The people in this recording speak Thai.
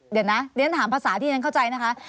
เดี๋ยวนะเรียนถามภาษาที่ฉันเข้าใจนะคะ